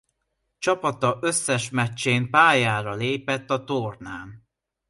Csapata összes meccsén pályára lépett a tornán.